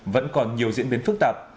vẫn còn nhiều diễn biến phức tạp